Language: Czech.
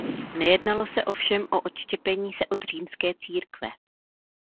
Nejednalo se ovšem o odštěpení se od římské církve.